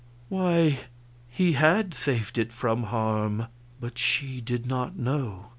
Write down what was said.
Why, He had saved it from harm but she did not know.